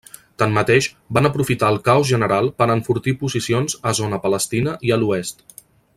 Tanmateix, van aprofitar el caos general per enfortir posicions a zona palestina i a l'oest.